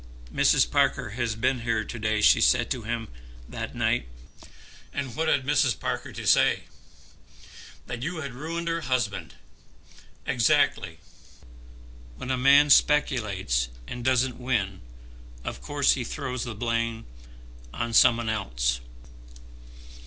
"Mrs. Parker has been here to day," she said to him that night. "And what had Mrs. Parker to say?" "That you had ruined her husband." "Exactly. When a man speculates and doesn't win of course he throws the blame on some one else.